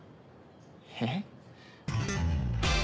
えっ？